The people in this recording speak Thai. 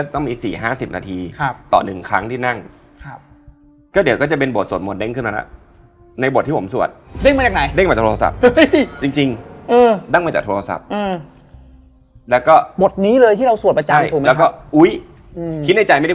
ก็คนเราทำอะไร